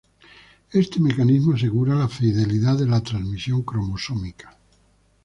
Este mecanismo asegura la fidelidad de la transmisión cromosómica.